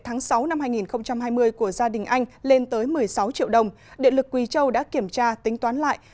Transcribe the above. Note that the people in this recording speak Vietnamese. tháng sáu năm hai nghìn hai mươi của gia đình anh lên tới một mươi sáu triệu đồng điện lực quỳ châu đã kiểm tra tính toán lại